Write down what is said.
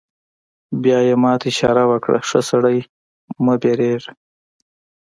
بیا یې ما ته اشاره وکړه: ښه سړی، مه وېرېږه.